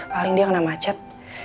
paling dia kena macet